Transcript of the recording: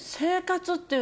っていう。